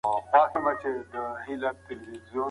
باور پيدا کول وخت غواړي.